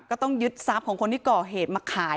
ก็ต้องยึดทรัพย์ของคนที่ก่อเหตุมาขาย